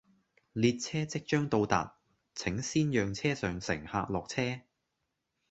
列車即將到達，請先讓車上乘客落車